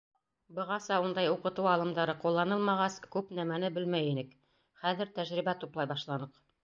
Бығаса ундай уҡытыу алымдары ҡулланылмағас, күп нәмәне белмәй инек, хәҙер тәжрибә туплай башланыҡ.